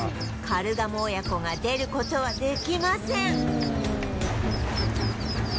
カルガモ親子が出る事はできません